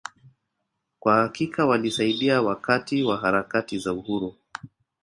Kwa hakika walisaidia wakati wa harakati za Uhuru